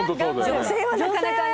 女性はなかなかね。